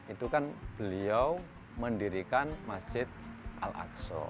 itu kan beliau mendirikan masjid al aqsa